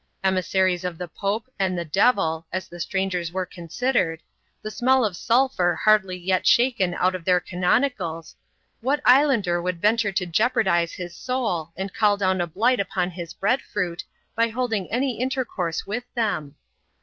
Emissaries Pope and the devil, as the strangers were consideFe< smell of sulphur hardly yet shaken out of their canon what islander would venture to jeopardise his soul, i down a blight upon his bread fruit, by holding any inte: with them